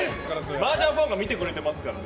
マージャンファンが見てくれてますからね。